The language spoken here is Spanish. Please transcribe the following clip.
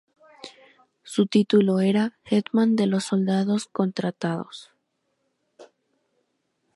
Su título era "hetman de los soldados contratados".